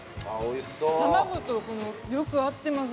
卵とよく合ってます